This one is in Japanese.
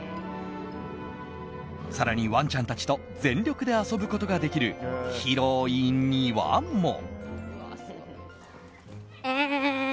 更に、ワンちゃんたちと全力で遊ぶことができる広い庭も。